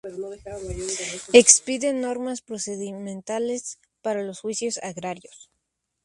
Expide normas procedimentales para los juicios agrarios.